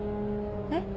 えっ？